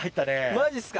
マジっすか。